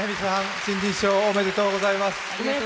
新人賞おめでとうございます。